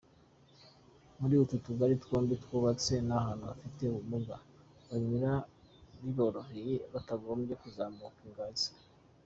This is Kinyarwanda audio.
Muri utu tugali twombi, twubatse n’ahantu abafite ubumuga banyura biboroheye, batagombye kuzamuka ingazi».